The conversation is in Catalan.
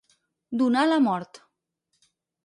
Donar la mort.